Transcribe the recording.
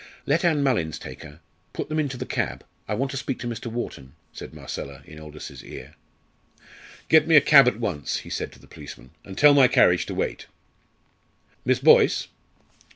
"Let Ann Mullins take her put them into the cab I want to speak to Mr. Wharton," said Marcella in Aldous's ear. "Get me a cab at once," he said to the policeman, "and tell my carriage to wait." "Miss Boyce!"